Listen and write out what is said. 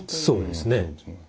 そうですね。